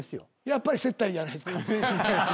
やっぱり接待じゃないですか。